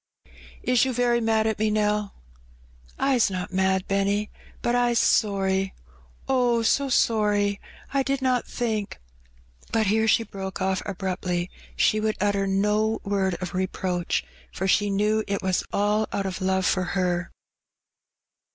Is you very mad at me, Nell?" '' I*s not mad, Benny, but I*s sorry — oh, so sorry ! I did not think " But here she broke oflF abruptly: she would utter no word of reproach, for she knew it was all out of love for her.